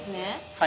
はい。